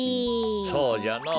そうじゃのぉ。